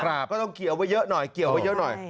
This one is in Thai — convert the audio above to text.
ก็ต้องเกี่ยวไว้เยอะหน่อย